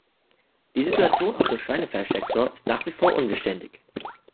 Die Situation auf dem Schweinefleischsektor ist nach wie vor unbeständig.